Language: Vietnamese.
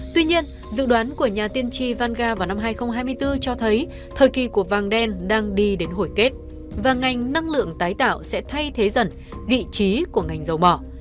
tuy nhiên dự đoán của nhà tiên tri vanca vào năm hai nghìn hai mươi bốn cho thấy thời kỳ của vàng đen đang đi đến hồi kết và ngành năng lượng tái tạo sẽ thay thế dần vị trí của ngành dầu mỏ